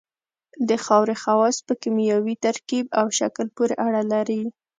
د خاورې خواص په کیمیاوي ترکیب او شکل پورې اړه لري